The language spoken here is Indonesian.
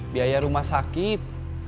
biaya rumah sakit